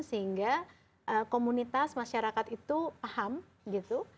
sehingga komunitas masyarakat itu paham gitu